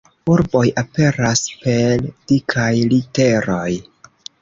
Urboj aperas per dikaj literoj.